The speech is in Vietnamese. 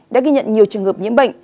đã ghi nhận nhiều trường hợp nhiễm bệnh